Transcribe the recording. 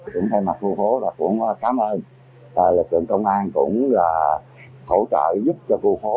chúng thay mặt khu phố là cũng cám ơn lịch trường công an cũng là hỗ trợ giúp cho khu phố